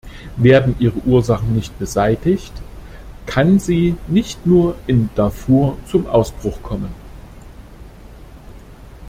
Werden ihre Ursachen nicht beseitigt, kann sie nicht nur in Darfur zum Ausbruch kommen.